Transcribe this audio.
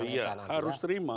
oh iya harus terima